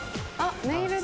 ネイルだ。